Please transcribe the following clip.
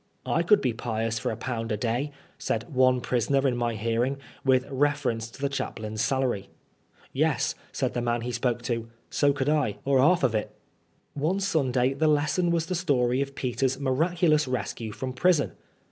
'^/ could be pious for a pound a day," said one prisoner in my hearing, with reference to the chaplain's salary. ^* Yes," said the man he spoke to, " so could I, or 'arf of it." One Sunday the lesson was the story of Peter's miraculous rescue from prison.